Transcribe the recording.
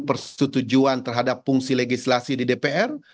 persetujuan terhadap fungsi legislasi di dpr